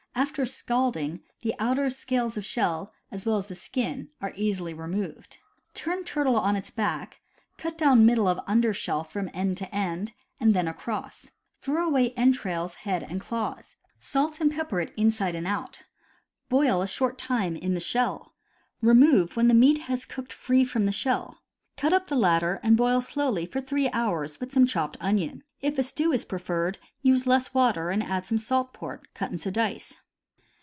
After scalding, the outer scales of shell, as well as the skin, are easily removed. Turn turtle on its back, cut down middle of under shell from end to end, and then across. Throw away entrails, head, and claws. Salt and pepper it inside and out. Boil a short time in the 152 CAMPING AND WOODCRAFT shell. Remove when the meat has cooked free from the shell. Cut up the latter and boil slowly for three hours with some chopped onion. If a stew is pre ferred, use less water, and add some salt pork cut into dice.